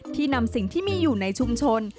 นำสิ่งที่มีอยู่ในชุมชน